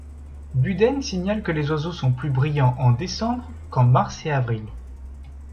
Buden signale que les oiseaux sont plus bruyants en décembre qu'en mars et avril.